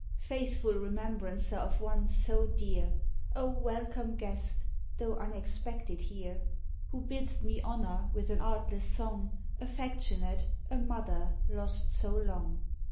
Faithful remembrancer of one so dear! 0 welcome guest, though unexpected here ! Who bid'st me honor with an artless song, Affectionate, a mother lost so long.